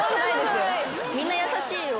みんな優しいよ。